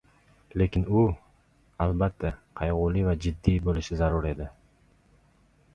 lekin u, albatta, qayg‘uli va jiddiy bo‘lishi zarur edi.